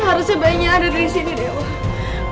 seharusnya bayinya ada disini dewa